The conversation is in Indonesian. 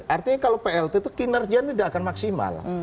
artinya kalau plt itu kinerjanya tidak akan maksimal